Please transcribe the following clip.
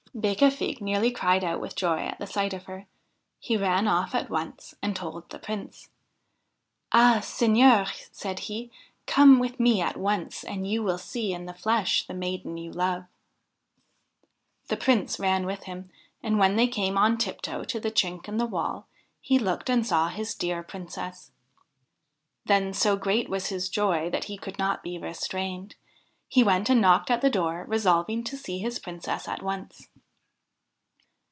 Becafigue nearly cried out with joy at sight of her. He ran off at once and told the Prince. ' Ah ! seigneur,' said he, ' come with me at once and you will see in the flesh the maiden you love.' The Prince ran with him, and when they came on tiptoe to the chink in the wall, he looked and saw his dear Princess. Then so great was his joy that he could not be restrained. He went and knocked at the door, resolving to see his Princess at once.